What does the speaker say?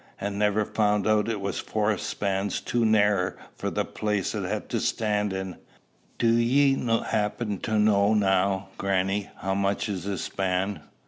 and never found out it was four spans too narrer for the place it had to stand in. Do ye 'appen to know now, grannie, how much is a span?"